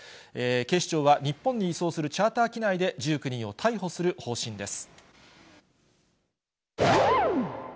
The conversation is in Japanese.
警視庁は、日本に移送するチャーター機内で、１９人を逮捕する方針です。